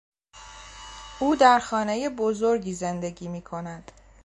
او در خانهی بزرگی زندگی میکند.